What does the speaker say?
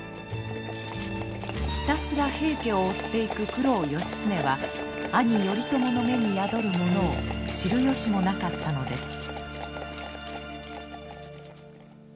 ひたすら平家を追っていく九郎義経は兄頼朝の目に宿るものを知る由もなかったのです。